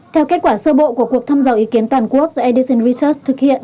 theo kết quả sơ bộ của cuộc thăm dò ý kiến toàn quốc do edison research thực hiện